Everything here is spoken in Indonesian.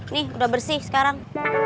nih udah bersih sekarang